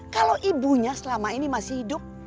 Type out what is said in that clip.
kalau ibunya selama ini masih hidup